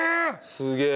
すげえ。